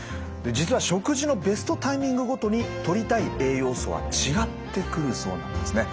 実は食事のベストタイミングごとにとりたい栄養素は違ってくるそうなんですね。